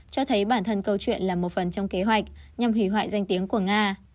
cho thấy bản thân câu chuyện là một phần trong kế hoạch nhằm hủy hoại danh tiếng của nga